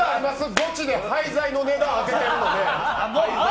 「ゴチ」で廃材の値段当てるの。